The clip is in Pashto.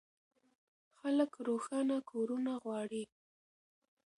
خلک روښانه کورونه غواړي.